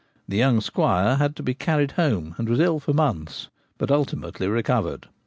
The ' young squire ' had to be carried home, and was ill for months, but ultimately recovered.